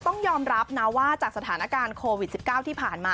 ต้องยอมรับนะว่าจากสถานการณ์โควิด๑๙ที่ผ่านมา